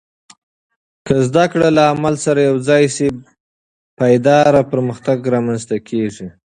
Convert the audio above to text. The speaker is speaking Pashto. که زده کړه له عمل سره یوځای شي، پایدار پرمختګ رامنځته کېږي.